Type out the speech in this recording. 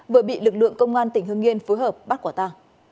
vừa bị lực lượng công an tỉnh hương yên phối hợp bắt quả ta